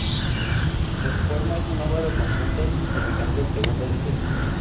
Su forma es un ovalo con puntas, semejante al segundo diseño.